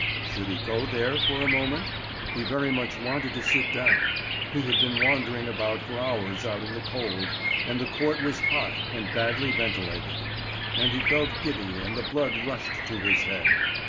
Should he go there for a moment? He very much wanted to sit down. He had been wandering about for hours out in the cold, and the court was hot and badly ventilated, and he felt giddy and the blood rushed to his head.